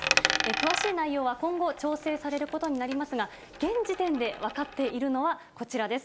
詳しい内容は今後、調整されることになりますが、現時点で分かっているのは、こちらです。